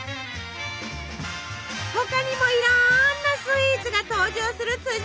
他にもいろんなスイーツが登場する村ワールド！